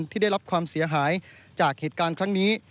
ที่ได้รับความเสียหายจากเหตุการณ์ครั้งนี้